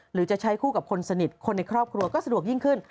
หรือจะใช้คู่กับคนสนิทคนในครอบครัวก็สะดวกยิ่งขึ้น